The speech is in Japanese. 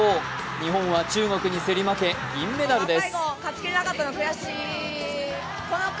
日本は中国に競り負け、銀メダルです。